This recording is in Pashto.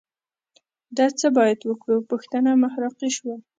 د څه باید وکړو پوښتنه محراقي شوه